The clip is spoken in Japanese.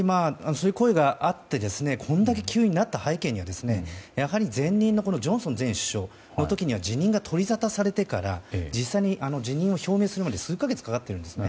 そういう声があってこれだけ急になった背景にはやはり、前任のジョンソン前首相の時には辞任が取りざたされてから実際に辞任を表明するまで数か月かかっているんですね。